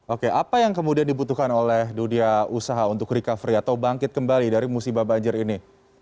oke apa yang kemudian dibutuhkan oleh dunia usaha untuk recovery atau bangkit kembali dari musibah banjir ini